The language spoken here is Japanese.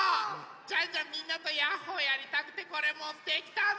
ジャンジャンみんなとやっほーやりたくてこれもってきたの。